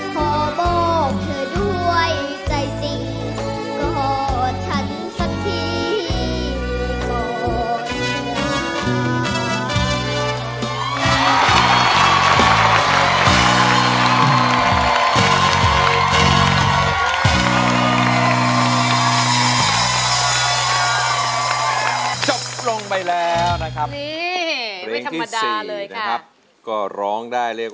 ขอบอกเธอด้วยใจสิขอฉันสักทีขอจริง